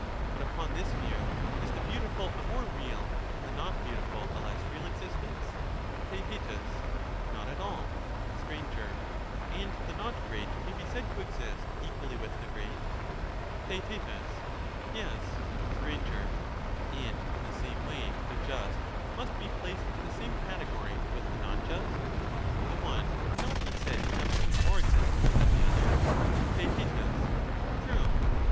But upon this view, is the beautiful a more real and the not beautiful a less real existence ? Theaet. Not at all. Str. And the not great may be said to exist, equally with 258 the great ? Theaet. Yes. Str. And, in the same way, the just must be placed in the same category with the not just — the one cannot be said to have any more existence than the other. Digitized by VjOOQIC Beyond Parmenides. 393 TheaeU True.